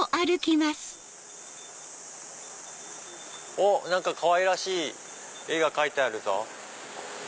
おっ何かかわいらしい絵が描いてあるぞ。